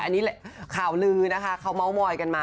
อันนี้ข่าวลือนะคะเขาเมาส์มอยกันมา